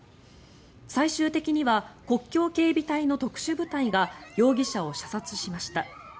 最終的には国境警備隊の特殊部隊が容疑者を射殺しました。